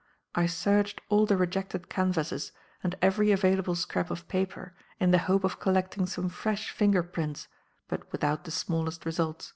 I searched all the rejected canvases and every available scrap of paper in the hope of collecting some fresh finger prints, but without the smallest result.